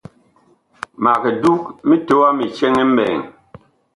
Mag dug mitowa mi cɛŋ mɓɛɛŋ.